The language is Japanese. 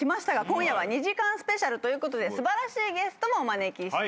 今夜は２時間スペシャルということで素晴らしいゲストもお招きしています。